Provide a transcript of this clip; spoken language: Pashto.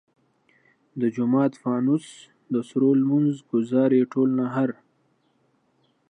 د جومات فانوس د سرو لمونځ ګزار ئې ټول نهر !